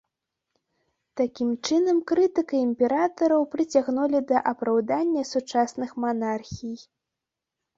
Такім чынам, крытыка імператараў прыцягнулі да апраўдання сучасных манархій.